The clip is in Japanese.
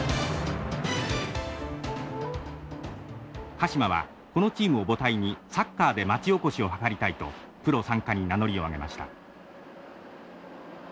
鹿島はこのチームを母体にサッカーで町おこしを図りたいとプロ参加に名乗りを上げました。